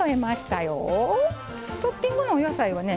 トッピングのお野菜はね